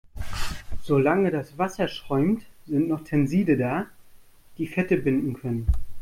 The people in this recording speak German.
Solange das Wasser schäumt, sind noch Tenside da, die Fette binden können.